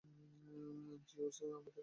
Zeus, আমাদের একটা কিছু করতে হবে।